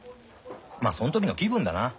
まあその時の気分だな。